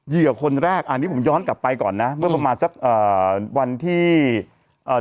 เหยื่อคนแรกอันนี้ผมย้อนกลับไปก่อนนะเมื่อประมาณสักเอ่อวันที่เอ่อ